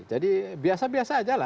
jadi biasa biasa aja lah